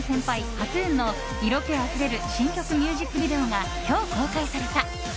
ＫＡＴ‐ＴＵＮの、色気あふれる新曲ミュージックビデオが今日、公開された。